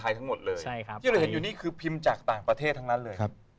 ที่เห็นอยู่นี่คือพิมพ์จากต่างประเทศทั้งนั้นเลย